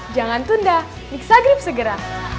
jangan tunda mixagrip segera